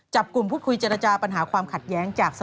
จับกลุ่มพูดคุยเจรจาปัญหาความขัดแย้งจาก